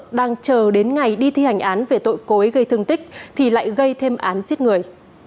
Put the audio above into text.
đang chờ đến ngày đi thi hành án về tội cố ý gây thương tích thì lại gây thêm án giết người